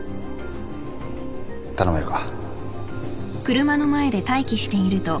頼めるか？